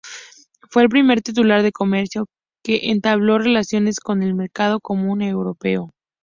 Fue el primer titular de Comercio que entabló relaciones con el Mercado Común Europeo.